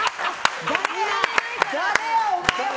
誰やお前は！